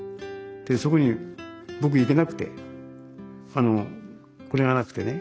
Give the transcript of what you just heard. そこに僕行けなくてあのこれがなくてね。